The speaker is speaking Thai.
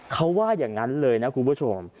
เขาว่าอย่างนั้นเลยนะคุณผู้ชม